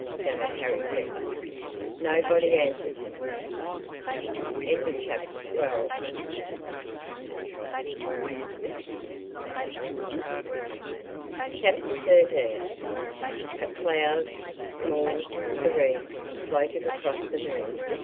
stammered Harry Kember. Nobody answered him. A cloud, small, serene, floated across the moon.